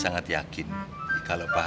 gak mau kalah